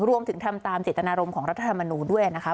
ทำตามเจตนารมณ์ของรัฐธรรมนูลด้วยนะคะ